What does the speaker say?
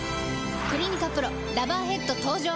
「クリニカＰＲＯラバーヘッド」登場！